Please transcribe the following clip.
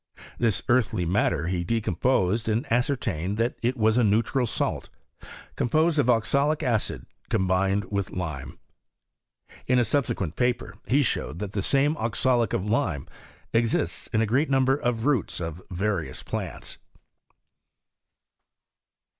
• This earthy matter he decom posed, and ascertained that it was a neutral salt, composed of oxalic acid, combined with lime. In a subsequent paper he showed, that the same oxalate of lime exists in a great number of roots of various l^ants.